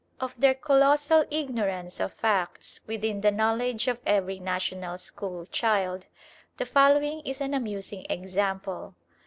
Of their colossal ignorance of facts within the knowledge of every National School child, the following is an amusing example.